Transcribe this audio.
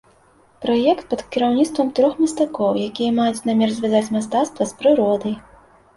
Праект пад кіраўніцтвам трох мастакоў, якія маюць намер звязаць мастацтва з прыродай.